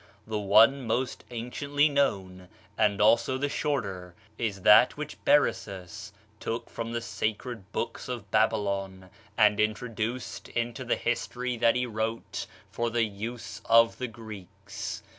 The one most anciently known, and also the shorter, is that which Berosus took from the sacred books of Babylon, and introduced into the history that he wrote for the use of the Greeks.